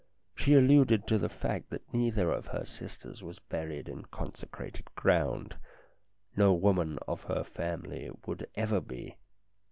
She alluded to the fact that neither of her sisters was buried in consecrated ground ; no woman of her family would ever be.